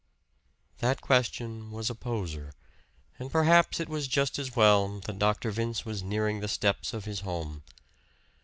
That question was a poser; and perhaps it was just as well that Dr. Vince was nearing the steps of his home.